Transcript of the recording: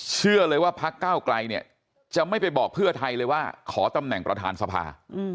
เชื่อเลยว่าพักเก้าไกลเนี่ยจะไม่ไปบอกเพื่อไทยเลยว่าขอตำแหน่งประธานสภา